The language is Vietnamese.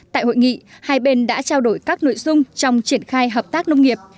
tại hội nghị hai bên đã trao đổi các nội dung trong triển khai hợp tác nông nghiệp